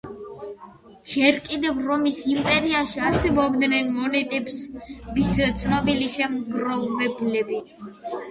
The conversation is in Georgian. ჯერ კიდევ რომის იმპერიაში არსებობდნენ მონეტების ცნობილი შემგროვებლები.